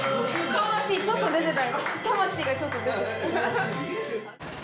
魂がちょっと出てた。